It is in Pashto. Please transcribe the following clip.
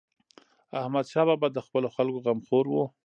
احمدشاه بابا د خپلو خلکو غمخور و.